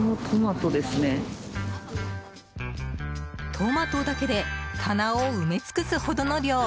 トマトだけで棚を埋め尽くすほどの量。